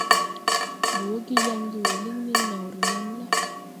Ndi wɔ ge yaŋ ge wɔ liŋ nen naw renam la.